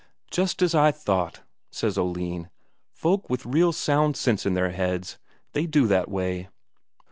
"Just as I thought," says Oline. "Folk with real sound sense in their heads, they do that way.